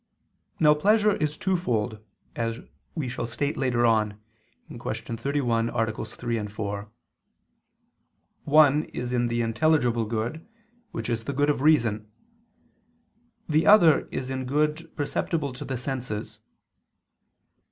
Now pleasure is twofold, as we shall state later on (Q. 31, AA. 3, 4): one is in the intelligible good, which is the good of reason; the other is in good perceptible to the senses.